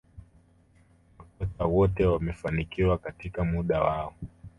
Makocha wote wamefanikiwa katika muda wao